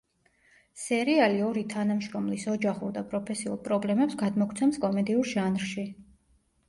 სერიალი ორი თანამშრომლის ოჯახურ და პროფესიულ პრობლემებს გადმოგვცემს კომედიურ ჟანრში.